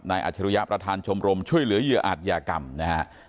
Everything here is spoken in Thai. นายอัจฉริยะประธานชมรมช่วยเหลือเยืออาจยากรรมนะฮะอ่า